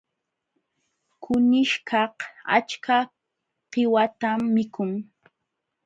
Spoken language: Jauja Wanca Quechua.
Kunishkaq achka qiwatam mikun.